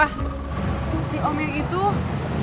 si omnya itu yang dulu pernah mau kita ajang kan